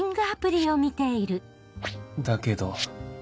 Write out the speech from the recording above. だけど